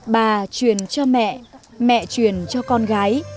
bà truyền cho mẹ mẹ truyền cho con gái